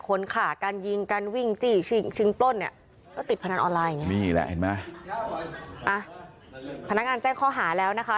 พนักงานแจ้งข้อหาแล้วนะคะ